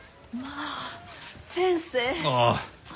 ああ。